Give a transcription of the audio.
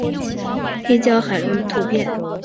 黑胶海龙的图片